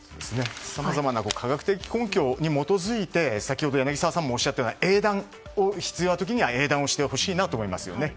さまざまな科学的根拠に基づいて先ほど柳澤さんがおっしゃっていた英断必要な時は英断をしてほしいと思います。